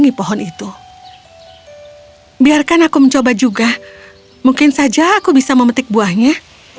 ibu dan kedua putrinya berkata